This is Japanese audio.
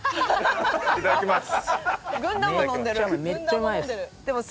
いただきます。